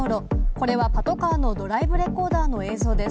これはパトカーのドライブレコーダーの映像です。